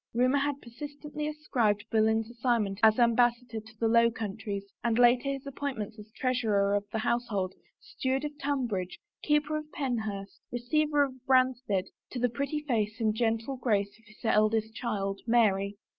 Rumor had persistently ascribed Boleyn's assignment as Ambassador to the Lx)w Countries and later his appoint ments as treasurer of the household, steward of Tun bridge, keeper of Penhurst, receiver of Branstead, to the pretty face and gentle grace of his eldest child, Mary.